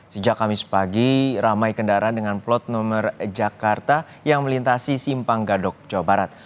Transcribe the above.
sejak kamis pagi ramai kendaraan dengan plot nomor jakarta yang melintasi simpang gadok jawa barat